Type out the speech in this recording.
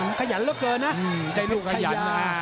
พิ่งขยันเร็วเยอะนะไพรัชยา